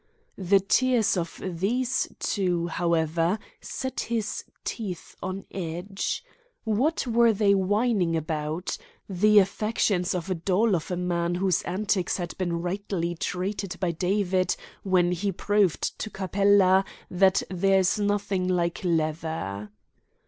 The tears of these two, however, set his teeth on edge. What were they whining about the affections of a doll of a man whose antics had been rightly treated by David when he proved to Capella that there is nothing like leather.